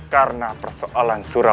karena persoalan surawi sisa putraku